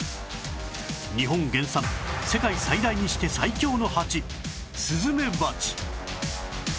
日本原産世界最大にして最強のハチスズメバチ